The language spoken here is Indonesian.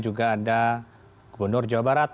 juga ada gubernur jawa barat